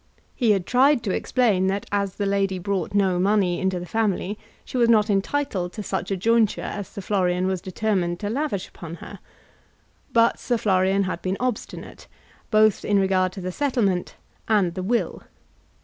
He had tried to explain that as the lady brought no money into the family she was not entitled to such a jointure as Sir Florian was determined to lavish upon her. But Sir Florian had been obstinate, both in regard to the settlement and the will.